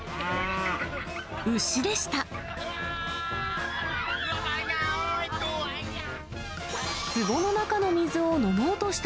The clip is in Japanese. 牛でした。